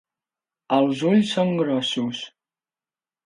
Els ulls són grossos.